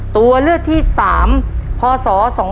ตัวเลือกที่๓พศ๒๕๖